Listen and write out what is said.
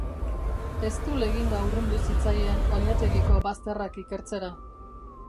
Eztul eginda urrundu zitzaien oilategiko bazterrak ikertzera.